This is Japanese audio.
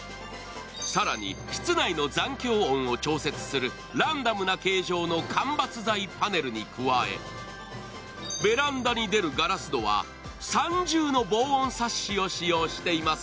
更に、室内の残響音を調節するランダムな形状の間伐材パネルに加えベランダに出るガラス戸は三重の防音サッシを使用しています。